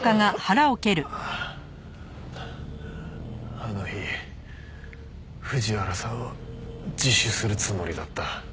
あの日藤原さんは自首するつもりだった。